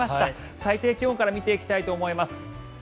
最低気温から見ていきたいと思います。